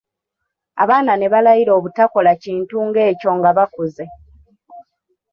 Abaana ne balayira obutakola kintu ng'ekyo nga bakuze.